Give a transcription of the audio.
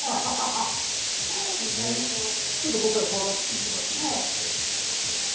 ちょっとここから顔出してもらっていいですか？